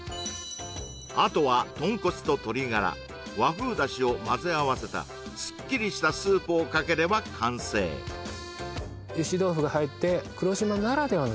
あとは豚骨と鶏がら和風だしを混ぜ合わせたすっきりしたスープをかければ完成ゆし豆腐が入って黒島ならではのですね